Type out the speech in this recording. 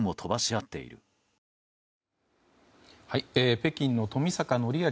北京の冨坂範明